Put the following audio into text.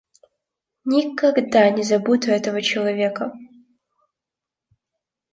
Никогда не забуду этого человека.